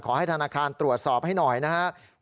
ขอให้ธนาคารตรวจสอบให้หน่อยนะครับ